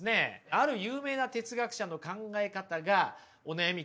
ある有名な哲学者の考え方がお悩み